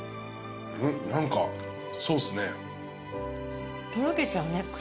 何かそうっすね。